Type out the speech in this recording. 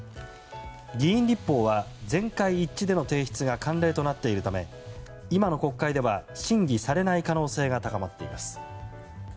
議員立法は全会一致での提出が慣例となっているため今の国会では審議されない可能性が高まっています。